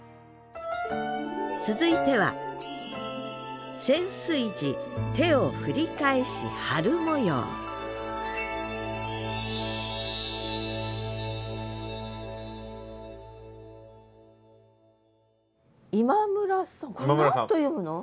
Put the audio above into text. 続いては今村さんこれ何と読むの？